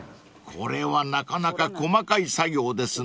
［これはなかなか細かい作業ですね］